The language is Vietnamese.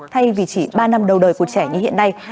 thay vì chỉ ba năm đầu đời của trẻ như hiện nay